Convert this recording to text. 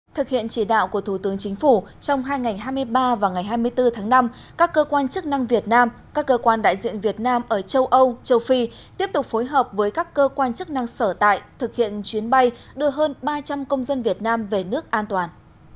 thực hiện chỉ đạo của thủ tướng chính phủ trong hai ngày hai mươi ba và ngày hai mươi bốn tháng năm các cơ quan chức năng việt nam các cơ quan đại diện việt nam ở châu âu châu phi tiếp tục phối hợp với các cơ quan chức năng sở tại thực hiện chuyến bay đưa hơn ba trăm linh công dân việt nam về nước an toàn